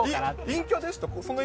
陰キャでした？